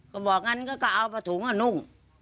ก็บอกงั้นก็เอาผ้าถุงอ่ะนุ่ง